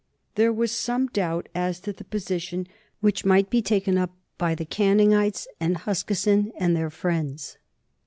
There was some doubt as to the position which might be taken up by Canning and Huskisson and their friends.